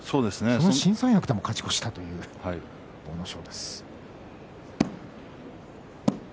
その新三役で勝ち越したという阿武咲です。